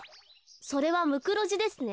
それはムクロジですね。